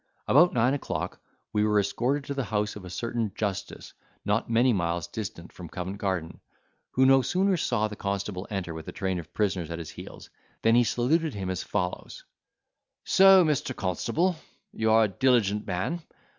About nine o'clock, we were escorted to the house of a certain justice not many miles distant from Covent Garden, who no sooner saw the constable enter with a train of prisoners at his heels, than he saluted him as follows: "So Mr. Constable, you are a diligent man.